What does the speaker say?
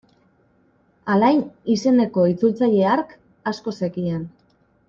Alain izeneko itzultzaile hark asko zekien.